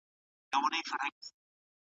ځمکه د ژوند لپاره مناسبه هوا لري.